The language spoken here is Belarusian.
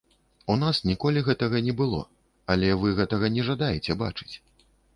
У нас ніколі гэтага не было, але вы гэтага не жадаеце бачыць.